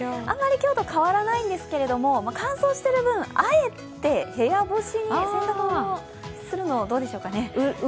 あまり今日と変わらないんですけど乾燥しているあえて部屋干しに、洗濯物をするのはどうでしょうかね。